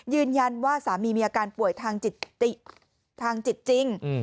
ยืนยันว่าสามีมีอาการป่วยทางจิตทางจิตจริง